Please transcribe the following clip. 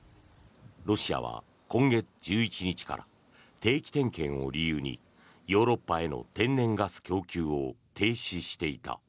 ロシアは今月１１日から定期点検を理由にヨーロッパへの天然ガス供給を停止していた。